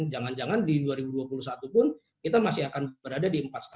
jangan jangan di dua ribu dua puluh satu pun kita masih akan berada di empat lima